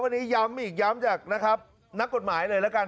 วันนี้ย้ำอีกย้ำจากนะครับนักกฎหมายเลยแล้วกัน